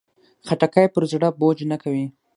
خټکی پر زړه بوج نه کوي.